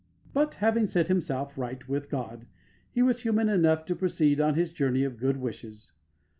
But, having set himself right with God, he was human enough to proceed on his journey of good wishes.